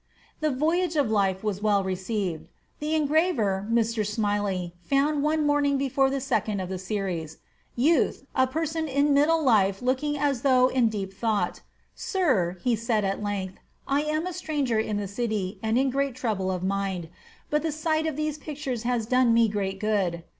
The "Voyage of Life" was well received. The engraver, Mr. Smilie, found one morning before the second of the series, "Youth," a person in middle life looking as though in deep thought. "Sir," he said at length, "I am a stranger in the city, and in great trouble of mind. But the sight of these pictures has done me great good.